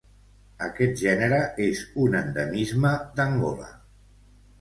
Aquest gènere és un endemisme d'Angola.